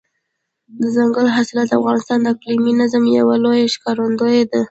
دځنګل حاصلات د افغانستان د اقلیمي نظام یوه لویه ښکارندوی ده.